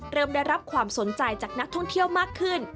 เริ่มได้รับความสนใจจากนักท่องเที่ยวมากขึ้น